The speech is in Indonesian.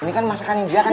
ini kan masakan india kan